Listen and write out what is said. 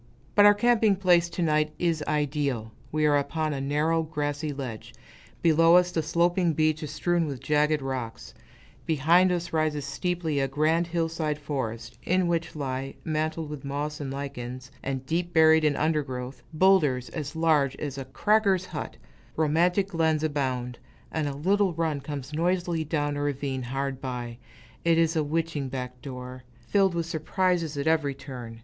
But our camping place, to night, is ideal. We are upon a narrow, grassy ledge; below us, the sloping beach astrewn with jagged rocks; behind us rises steeply a grand hillside forest, in which lie, mantled with moss and lichens, and deep buried in undergrowth, boulders as large as a "cracker's" hut; romantic glens abound, and a little run comes noisily down a ravine hard by, it is a witching back door, filled with surprises at every turn.